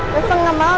tante gak mau